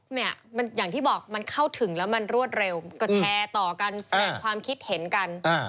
เนี่ยมันอย่างที่บอกมันเข้าถึงแล้วมันรวดเร็วก็แชร์ต่อกันแสดงความคิดเห็นกัน